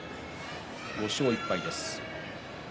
５勝１敗です。